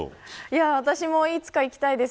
いつか行きたいです。